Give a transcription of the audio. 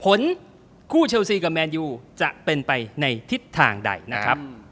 ผลคู่เชลซีกับแมนยูจะเป็นไปในทิศทางใดนะครับ